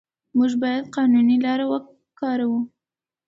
موږ باید قانوني لارې وکاروو.